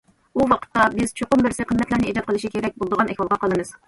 ئۇ ۋاقىتتا، بىز« چوقۇم بىرسى قىممەتلەرنى ئىجاد قىلىشى كېرەك» بولىدىغان ئەھۋالغا قالىمىز.